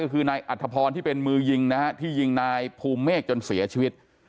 ก็คือนายอัธพรที่เป็นมือยิงนะฮะที่ยิงนายภูมิเมฆจนเสียชีวิต